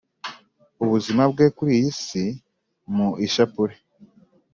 ubuzima bwe kuri iyi si, mu ishapule,